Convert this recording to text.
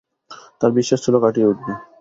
তার বিশ্বাস ছিল কাটিয়ে উঠবে।